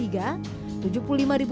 rp tujuh puluh lima untuk kelas empat